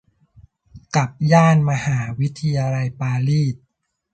กับย่านมหาวิทยาลัยปารีส